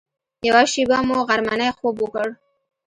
یوه شېبه مو غرمنۍ خوب وکړ.